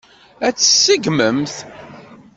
Ad tt-tseggmemt?